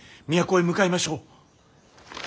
都へ向かいましょう。